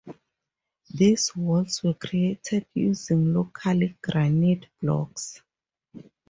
These walls were created using local granite blocks.